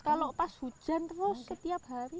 kalau pas hujan terus setiap hari